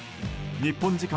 日本時間